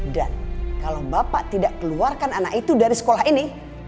dan kalau bapak tidak keluarkan anak itu dari sekolah ini